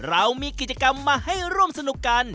เรามีกิจกรรมมาให้ร่วมสนุกกัน